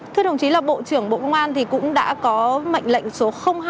thưa đồng chí là bộ trưởng bộ công an thì cũng đã có mệnh lệnh số hai